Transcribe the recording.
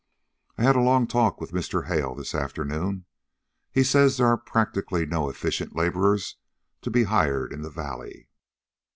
I had a long talk with Mr. Hale this afternoon. He says there are practically no efficient laborers to be hired in the valley."